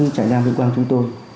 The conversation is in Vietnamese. trại giam vĩnh quang chúng tôi